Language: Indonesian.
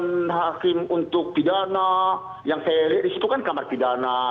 pertimbangan hakimi untuk pidana yang saya liat disitu kan kamar pidana